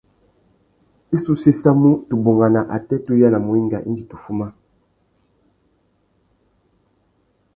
I sú séssamú tu bungana atê tu yānamú wenga indi tu fuma.